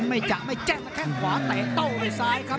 ไม่จะไม่แจ้งนะแค่งขวาเตะโต้ไปซ้ายครับ